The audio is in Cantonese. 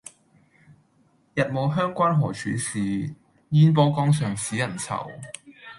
日暮鄉關何處是，煙波江上使人愁。